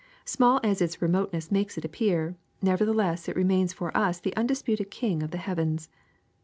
Small as its remoteness makes it appear, nevertheless it remains for us the undisputed king of the heavens.